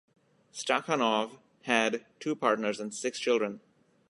Stakhanov had two partners and six children.